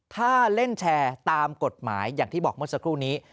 ถ้าเล่นแชร์ตามกฎหมายอย่างที่บอกเมื่อสักครู่นี้